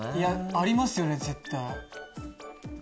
ありますよね絶対。